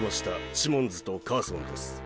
シモンズとカーソンです。